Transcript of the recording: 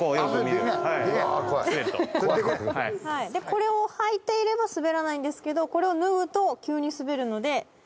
これを履いていれば滑らないんですけどこれを脱ぐと急に滑るので。